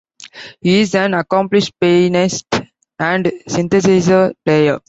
He is an accomplished pianist and synthesizer player.